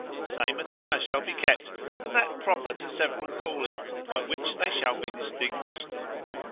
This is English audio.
The same attire shall be kept, and that proper to several callings, by which they shall be distinguished.